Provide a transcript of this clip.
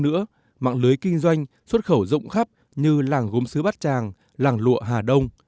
đối với kinh doanh xuất khẩu rộng khắp như làng gốm xứ bát tràng làng lụa hà đông